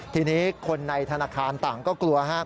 ทีนี้คนในธนาคารต่างก็กลัวฮะ